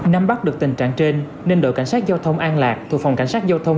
năm bắt được tình trạng trên nên đội cảnh sát giao thông an lạc thuộc phòng cảnh sát giao thông